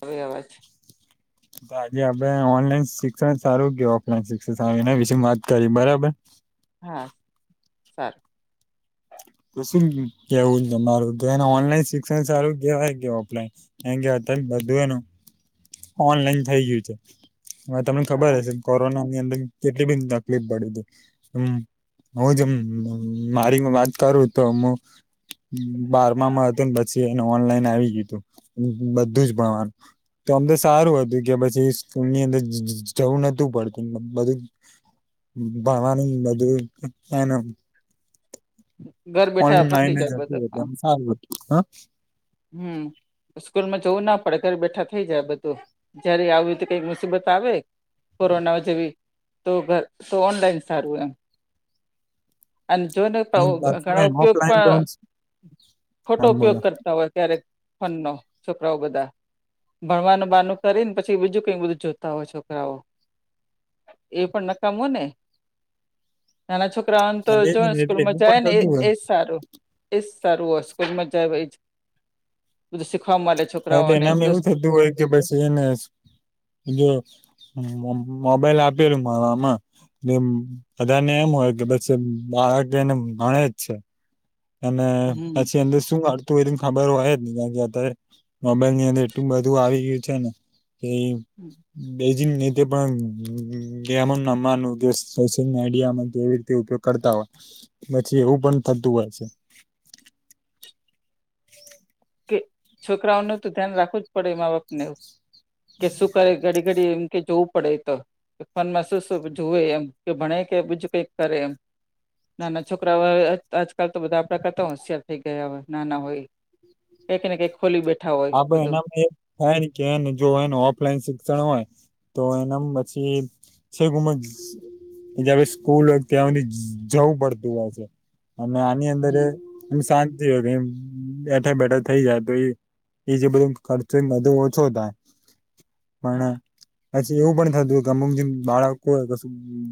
આવે અવાજ? તો આજે આપણે ઓનલાઈન શિક્ષણ સારું કે ઓફલાઈન શિક્ષણ સારું એના વિશે વાત કરી બરાબર. હા સારું. તો શું કેવું તમારું? તો એને ઓનલાઈન શિક્ષણ સારું કહેવાય કે ઓફલાઈન? એમ કે અત્યારે બધું હે ને ઓનલાઈન થઈ ગયું છે. હવે તમને ખબર હા હશે. કોરોના ની અંદર કેટલી બધી તકલીફ પડીતી હમમ. મું જ જેમ મારી વાત કરું તો હું બારમામાં હતું ને પછી એને ઓનલાઈન આવી ગયું તું બધું જ ભણવાનું. તો ઓમ તો સારું હતું કે પછી સ્કૂલની અંદર જવું નતું પડતું બધું ભણવાનું બધું [unintelligible] ઘર બેઠા ઓનલાઇન પતી જ જાય બધું હતું. હા એમ સારું હતું. હા, હમ. સ્કૂલમાં જવું ના પડે ઘરે બેઠા થઈ જાય બધું. જયારે આવી તો કઈક મુસીબત આવે. કોરોના જેવી તો ઘર તો ઓનલાઈન સારું. એમ, અને જોને અને પણ પાછું ઘણા એમ ઉપયોગ ઓફલાઈન તો આમ પણ ખોટો આમ ઉપયોગ બોલો કરતા હોય. ક્યારેક ફોનનો છોકરાઓ બધા. ભણવાનું બહાનું કરી ને પછી બીજું કંઈક બધું જોતા હોય. છોકરાઓ, એ પણ નકામું ને નાના છોકરા. તો હા, એજ જોને ને એટલે સ્કૂલમાં એવું પણ જાય ને એ થતું હોય જ સારું. એ સારું હો! સ્કૂલ જાય એ. બધું શીખવા મળે એટલે છોકરાઓને એનામાં એવું દોસ્ત. થતું હોય કે બેસી એને જો મોબાઈલ આપેલું ભણવામાં. એ બધા ને એમ હોય કે બસ બાળક એને ભણે જ છે. અને હમ. પછી અંદર શું આવતું હોય? ને ખબર હોય જ નય અત્યારે. મોબાઈલ ની અંદર એટલું બધું આવી ગયું છે ને કે, હમ. બેજિંગ ની તે પણ ગેમ રમવાનું કે સોશિયલ મીડિયામાં કેવી રીતે ઉપયોગ? કરતા હોય પછી એવું પણ થતું હોય છે. [inaudible] કે છોકરાઓનું તો ધ્યાન રાખવું જ પડે મા-બાપને એ કે શું કરે ઘડી! ઘડી એમ કે જવું પડે તો, ફોન માં શું શું જુએ? એમ કે ભણે કે બીજું કઈક કરે એમ. નાના છોકરાઓ આજકાલ તો બધા આપણા કરતા હોશિયાર થઈ ગયા હોય. નાના હોય, કંઈક ને કંઈ ખોલી બેઠા આપડે હોય. એનામાં એ થાય કે એને જો એનું ઓફલાઈન શિક્ષણ હોય તો એના પછી, છે વિમેન્સ. જ્યાં સુધી સ્કૂલ હોય ત્યાં સુધી જવું પડતું હોય છે. અને આવી અંદર હમ એમ શાંતિ હોય. બેઠા બેઠા થઈ જાતુ. એ જે બધું ખર્ચું બધું ઓછો થાય. પણ, પછી એવું પણ થતું હોય કે અમુક જે બાળક હોય.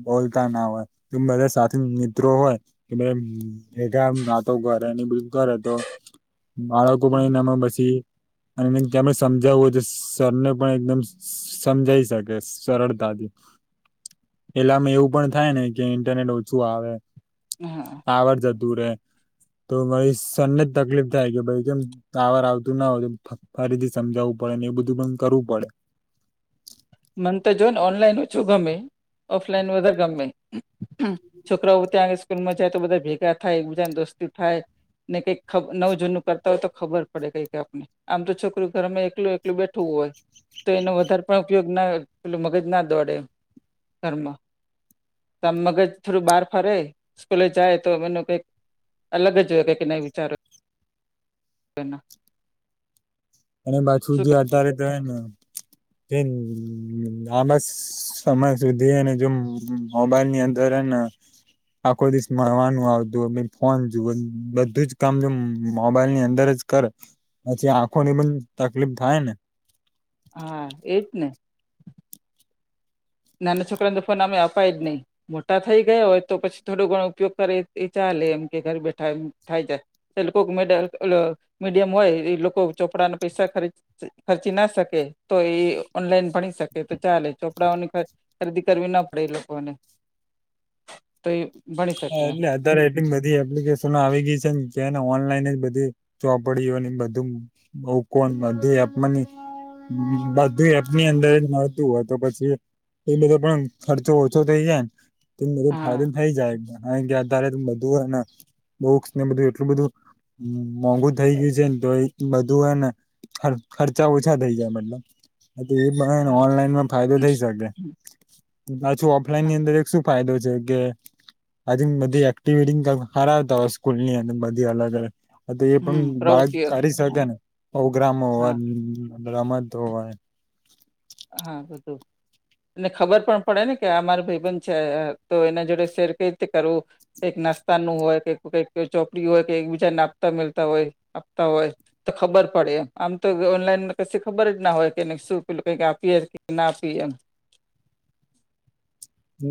બોલતા ન હોય. તો બધા સાથે મિત્રો હોય કે બે ભેગા વાતો કરે બાળકો પણ હમ. એનામાં પછી. અને જેને આપણે સમજાવવું હોય તો સરને પણ એકદમ સમજાવી શકે. સરળતાથી. પેલામાં એવું પણ થાય ને કે ઇન્ટરનેટ ઓછું આવે. હા. ટાવર જતું રે તો ભાઈ સરને જ તકલીફ થાય કે ભાઈ કેમ ટાવર આવતું ના હોય તો ફરીથી સમજાવવું પડે ને એ બધું પણ કરવું પડે. મન તો જોને ઓનલાઈન ઓછું ગમે. ઓફલાઈન વધારે ગમે. હમમ. છોકરાઓ ત્યાં સ્કૂલમાં જાય, તો બધા ભેગા થાય એક બીજાને દોસ્તી થાય. ને કંઈક નવ જૂનું કરતા હોય તો ખબર પડે કંઈક આપને. આમ તો છોકરું ઘરમાં એકલું એકલું બેઠું હોય. તો એનો વધારે પણ, ઉપયોગ ના હોય. પેલું મગજ ના દોડે ઘરમાં. ત મગજ થોડું બહાર ફરે સ્કૂલે જાય. તો એમ કઈ, અલગ જ હોય કંઈક એના વિચારો. તેમ. અને પાછુ શું જે અત્યારે તો તેને. તેમ લાંબા સમય સુધી અને જો મોબાઈલની અંદર હેને આખો દિવસ ભણવાનું આવતું ફોન જુવે બધું જ કામ જો મોબાઈલ ની અંદર જ કરે પછી આંખોની પણ તકલીફ થાય ને. હા એ જ ને. નાના છોકરા ને ફોન આમેય આપાય જ નહી. મોટા થઈ ગયા હોય તો પછી થોડો ઘણો ઉપયોગ કરે એ ચાલે એમ કે ઘર બેઠા એમ થાય જાય. એ લોકો મિડલ ઓલા મીડિયમ હોય એ લોકો ચોપડાના પૈસા ખરી ખર્ચી ના શકે તો એ ઓનલાઈન ભણી શકે તો ચાલે ચોપરાઓની ખરીદી કરવી ન પડે એ લોકોને તો એ ભણી શકે [unintelligible] અત્યારે એ બધી એપ્લિકેશનો આવી ગઈ છે ને જેને ઓનલાઈન બધી ચોપડીઓને બધું બુકો ને બધું આપવાની બધું એપની અંદર જ મળતું હોય તો પછી એ બધો પણ ખર્ચો ઓછો થઇ જાય ને એ બધો હા ફાયદો થઇ જાય. કારણ કે અત્યારે બધું અને બુક્સ ને બધું એટલું બધું હ મોંઘુ થઇ ગયું છે ને તો એ બધું હેને ખર ખર્ચા ઓછા થઈ જાય મતલબ એ બધા ને હા ઓનલાઈન ફાયદો થઈ શકે પાછું ઓફલાઈનની અંદર જ શું ફાયદો છે કે? [unintelligible] એક્ટિવિટી કરાવતા હોય સ્કૂલ ની અને બધી અલગ અલગ તો એ પણ હમ બાળક પ્રવૃત્તિઓ કરી શકે ને પોગ્રામો હા રમતો હોય હા બધું ને ખબર પણ પડે ને કે આ મારું ભાઈબંધ છે તો એના જોડે શેર કઈ રીતે કરવું. એક નાસ્તાનું હોય કે કઈક ચોપડી હોય કે એક બીજાને આપતા મેલતા હોય આપતા હોય તો ખબર પડે આમ તો ઓનલાઈન કી ખબર જ ના હોય કે શું પેલું ક [unintelligible] ના આપવી એમ.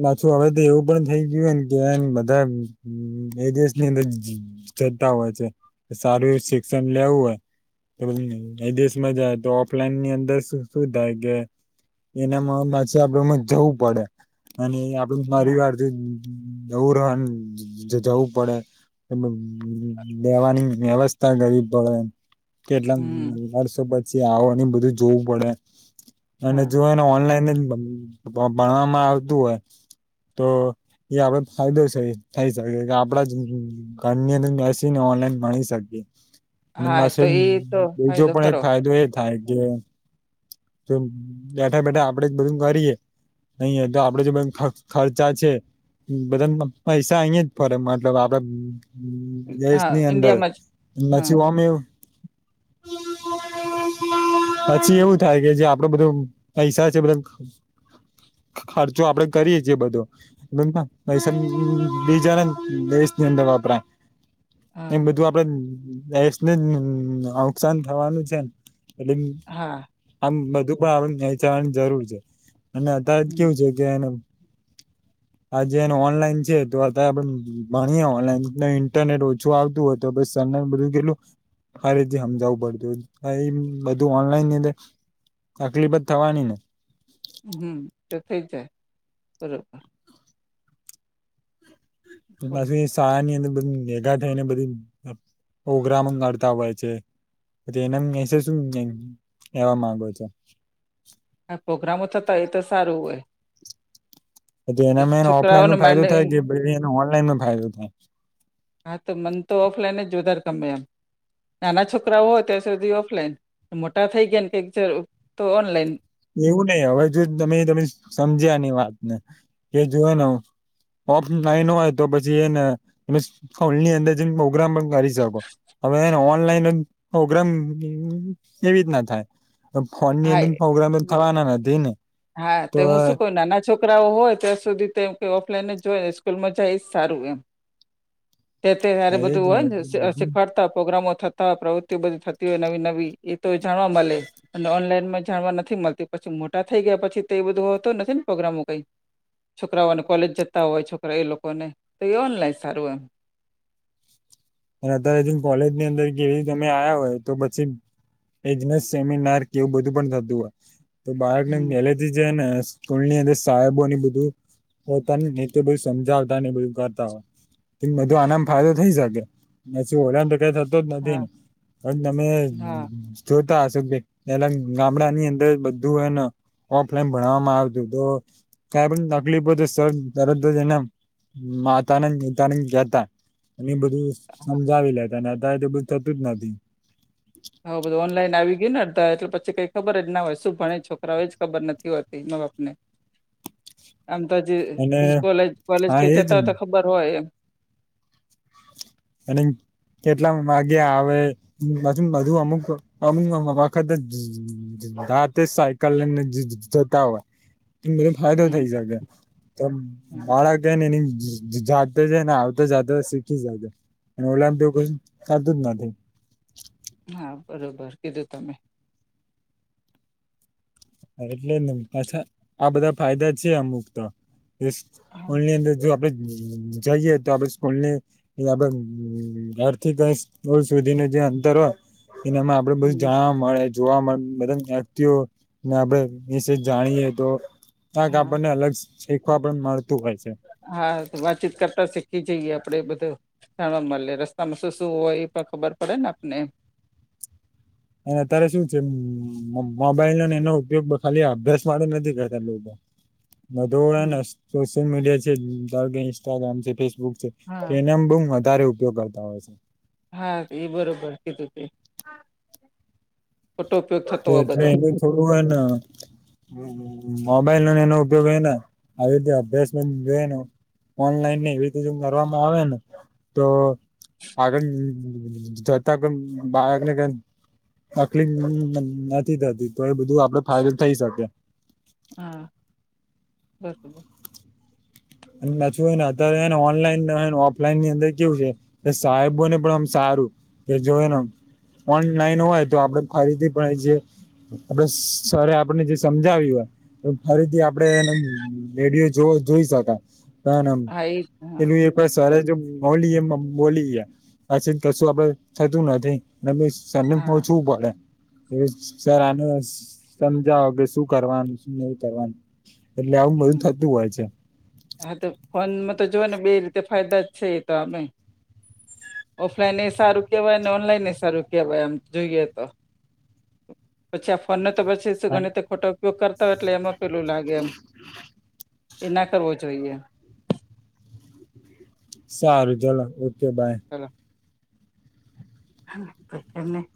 પાછું હવે તો એવું પણ થઈ ગયુંને કેમ બધા એ દેશની અંદર જતા હોય છે સારું શિક્ષણ લેવું હોય. એ વિદેશમાં જાય તો ઓફલાઈનની અંદર શું થાય કે એનામાં [unintelligible] આપડે એમાં જવું પડે. [unintelligible] જવું હા પડે એ રેવાની વ્યવસ્થા કરવી પડે. કેટલા હમ વર્ષો પછી આવો અને બધું જોવું પડે. અને હા જો એને ઓનલાઈન જ ભણવામાં આવતું હોય તો એ આપડ ફાયદો થ થાય શકે કે આપડા જ ઘરની અંદર બેસીને ઓનલાઈન ભણી શકીએ. અને હા પાછો તો એક એ તો બીજો ખરો ફાયદો એ જ થાય કે બેઠા બેઠા આપડે જ બધું કરીએ. અહીંયા તો આપડે જે ખર ખર્ચા છે. બધા પૈસા અહીં જ ફરે મતલબ આપડે હા દેશની અંદર ઈન્ડિયામાં જ હા [unintelligible] પછી એવું થાય કે જે આપડો બધો પૈસા છે બધા ખર્ચો આપડે કરીએ જે બધો પૈસા બીજા દેશની અંદર વપરાય. એ હા બધું આપડેને નુકસાન થવાનું છે, એટલે હા આમ બધું પણ આપડે વહેંચાવાની જરૂર છે, અને અત્યારે જ હમ કેવું છે. તેનુ, આજે એને ઓનલાઈન છે, તો અંત આપ ભણીએ ઓનલાઈન ઇન્ટરનેટ ઓછું આવતું હોતું. તો તો સમય કેટલુ અરે જે સમજાવું પડતુ અહીં બધું ઓનલાઇન અંદર. તકલીફ જ થવાનીને, હું તો થઈ જાય બરોબર, બોલો પાછી શાળાની અંદર બધી ભેગા થઈને બધી, પ્રોગ્રામ કરતા હોય છે, એના એસે શું કેવા માંગો છો, હ પ્રોગ્રામો થતા એતો સારું હોય, એનામાં એને ઓફલાઈન છોકરાઓને નું માંડ એમ કે પછી એનો ઓનલાઈન ન ફાયદો થાય, હાતો મન તો ઓફલાઈન જ જો વધારે ગમે એમ, નાના છોકરા ત્યાં સુધી ઓફલાઈન થઈ ગયા ને પંચર તો ઓનલાઈન, એવું નહીં હવે જો તમે તમે સમજ્યાની વાતને કે જોયને હું, ઓફલાઈન હોય તો પછી એને ફની અંદર પ્રોગ્રામ પણ કરી, હવે ઓનલાઈન પ્રોગ્રામ એવીના થાય, ફોનની હા અંદર એ પ્રોગ્રામ થના નથી ને, હા તો હુંશું કહું ના છોકરીએ. છોકરાઓ હોય ત્યાં સુધી કંઈ ઓફલાઈન જ જોયને સ્કૂલમાં જાય જ સારું એમ, તે ત્યારે એ જ ને બધું એટલે બધું સેખવાડતા પોગ્રામો થઈ, અથવા બધી થતી હોય નવી નવી એતો મળે, અને ઓનલાઈનમાં જાણવા નથી મળતી પછી મોટા થઈ ગયા પછી તોએ બધું હોતો નથી ને પ્રોગ્રામો કંઈક, છોકરાઓને કોલેજ જતા હોય છોકરાએ લોકોને તો એ ઓનલાઈન સારું એમ, અને અત્યારે કોલેજ ની અંદર કે તમે આયા હોય તો પછી, એજને સેમિનાર કેવું બધું પણ થતું હોય તો બાળકને મેલે, જે નેલની અંદર સાહેબોની બધું, તને નેતે બધું સમજાવતા ને બંધ કરતા હોય, બધો આનામ હમ ફાયદો થઈ શકે પછી ઓલાને તો ક થઈ. હા નમે. હા જોતા હશો ભી પેલા ગામડાની અંદર બધું એને, ઓફલાઈન ભણવામાં આવતું તો કંઈ પણ તકલીફ તો સર તરતજને, માતાને નેતાને જ ગતા એ બધું, હા. સમજાવી લેતા અને અત્યારે તો બધું થતું જ નથી, હું બધું ઓનલાઈન આવી ગયું ને અધા એટલે પછી કઈ ખબર જના હોય શું ભણે છોકરાઓ એ જ ખબર નથી હોતી મા- બાપ ને, [inaudible] આમ તોજી અને કોલેજ હા એજ જતા ને હોય ખબર હોય એ, અને કેટલા વાગ્યા આવે છે, બધું અમુક અમુક વખત. રાતે સાયકલ લઈને જતા હોય, ફાયદો હમ થઈ શકે તો હમ બાળક, ને જાતો છે, ને જાતો શીખી જતો. અને ઓલામ તોક ખાધું જના, હા બરોબર કીધું તમે. એટલે ને પાછા આ બધા ફાયદા છે અમુક તો હા સ્કૂલની અંદર જો આપડે જાઈએ તો આપણે સ્કૂલની [unintelligible] ઘરથી ઘર સુધી નો જે અંતર હોય એનામાં આપડને બધું હમ જાણવા મળે, જોવા મળે બધાન વ્યક્તિઓ ને આપડે એના વિશે જાણીએ તો જરાક હા આપણને અલગ શીખવા પણ મળતું હોય છે હા, વાતચીત કરતા શીખી જઈએ આપડે એ બધા જાણવા મલે રસ્તામાં શું શું હોય એ પણ ખબર પડે ને આપણને એમ અને અત્યારે શું છે મોબાઈલ અને એનો ઉપયોગ ખાલી અભ્યાસ માટે નથી કરતા લોકો હમ [unintelligible] સોશિયલ મીડિયા છે, ધારો કે ઇન્સ્ટાગ્રામ છે, ફેસબુક છે હા તેનોમ બઉ વધારે ઉપયોગ કરતા હોય સે હા, એ બરોબર કીધું તે ખોટો ઉપયોગ થતો હોય [unintelligible] બધો એમનેમ થોડું હોય ન મોબાઈલ અને એનો ઉપયોગ હેન, આવી રીતે અભ્યાસ [unintelligible] ઓનલાઈન ને એવી રીતે જો કરવામાં ઓવે ને તો આગળ જતા પણબાળકને કંઈક તકલીફ નથી થતી, તો એ બધું આપડે ફાયદો થઈ શકે હા, બરોબર અને પાછું હોય ને અત્યારે હોય ને ઓનલાઈન રહે ને ઓફલાઈન ની અંદર કેવું સે સાહેબો ને પણ ઓમ સારું, કે જોયને [unintelligible] ઓનલાઈન હોય તો આપડે ફરીથી [unintelligible] આપડે સરે આપણને જે સમજાવ્યું હોય તો ફરીથી આપડે એનો રેડિયો જોય જોય શકાય હા એ જ [unintelligible] હા પેલું એક વાર સરે બરોબર જે ઓલિયમ માબોલી ગયા, પછી કશું આપડું થતું નથી ને બી સરને હા પૂછવું પડે સર આનું સમજાવો કે શું કરવાનું શું નહીં કરવાનું એટલે આવું બધું હમ થતું હોય છે હા તો ફોનમાં તો જોઈએ ને બે રીતે ફાયદા જ છે એ તો અમે ઓફલાઈન એ સારું કેવાય ને ઓનલાઈન એ સારું કેવાય એમ જોઈએ તો [inaudible] પછી આ ફોનને તો પછી શું હા ઘણી રીતે ખોટો ઉપયોગ કરતા હોય એટલે એમાં પેલું લાગે એમ [inaudible] એ ના કરવો જોઈએ સારું ચલો, ઓકે બાય ચાલો [unintelligible]